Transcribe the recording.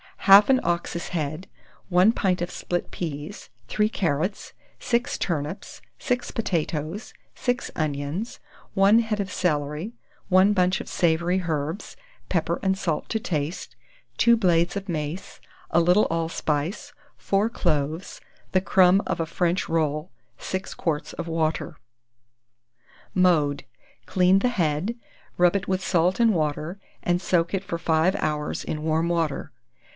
Half an ox's head, 1 pint of split peas, 3 carrots, 6 turnips, 6 potatoes, 6 onions, 1 head of celery, 1 bunch of savoury herbs, pepper and salt to taste, 2 blades of mace, a little allspice, 4 cloves, the crumb of a French roll, 6 quarts of water. Mode. Clean the head, rub it with salt and water, and soak it for 5 hours in warm water.